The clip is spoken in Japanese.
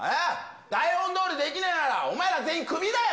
台本どおりできねえなら、お前ら全員、クビだよ。